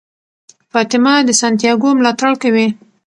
فاطمه د سانتیاګو ملاتړ کوي.